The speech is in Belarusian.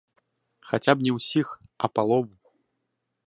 Хаця б не ўсіх, а палову.